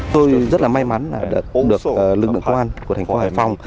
tôi rất là may mắn được lực lượng công an của thành phố hải phòng